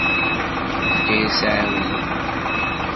Yefka-yas aɛudiw.